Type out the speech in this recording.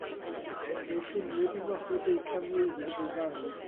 Fe'i lluniwyd i nodi deucanmlwyddiant ei farw.